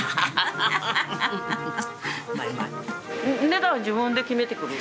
値段自分で決めてくる。